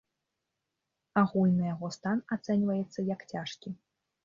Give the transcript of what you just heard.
Агульны яго стан ацэньваецца, як цяжкі.